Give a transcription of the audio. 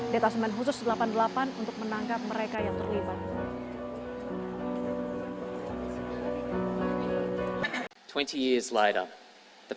detasemen khusus delapan puluh delapan untuk menangkap mereka yang terlibat